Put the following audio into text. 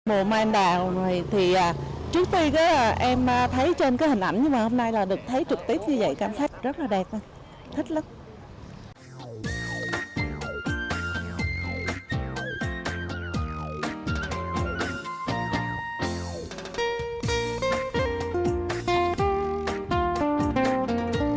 mùa mai đào này thì trước tiên em thấy trên cái hình ảnh nhưng mà hôm nay là được thấy trực tiếp như vậy cảm giác rất là đẹp thích lắm